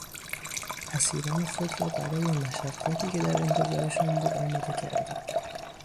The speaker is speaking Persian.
اسیران خود را برای مشقاتی که در انتظارشان بود آماده کردند.